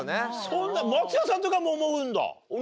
そんな松也さんとかも思うんだ。